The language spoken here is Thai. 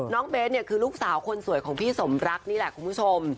น้องเบสคือลูกสาวคนสุดของพี่สมรักนี่แหละคุณผู้ชม